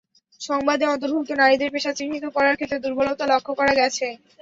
সংবাদে অন্তর্ভুক্ত নারীদের পেশা চিহ্নিত করার ক্ষেত্রে দুর্বলতা লক্ষ করা গেছে।